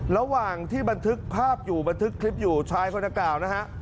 ระหว่างที่บันทึกภาพอยู่บันทึกคลิปอยู่ชายคนดังกล่าวนะฮะ